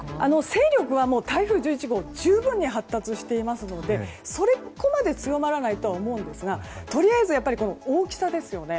勢力は台風１１号十分に発達していますのでそこまで強まらないとは思いますがとりあえず、大きさですよね。